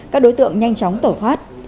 các đối tượng nhanh chóng tẩu thoát